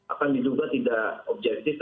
akan diduga tidak objektif